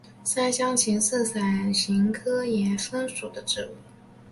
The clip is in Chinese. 山香芹是伞形科岩风属的植物。